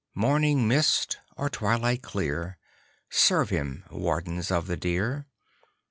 (Morning mist or twilight clear, Serve him, Wardens of the Deer!)